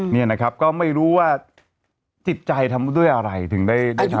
นี่นะครับก็ไม่รู้ว่าจิตใจทำด้วยอะไรถึงได้ทำ